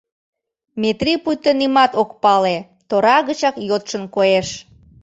— Метрий пуйто нимат ок пале, тора гычак йодшын коеш.